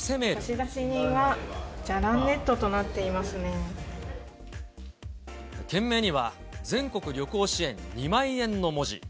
差出人はじゃらんｎｅｔとな件名には、全国旅行支援、２万円の文字。